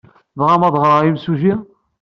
Tebɣam ad d-ɣreɣ i yimsujji?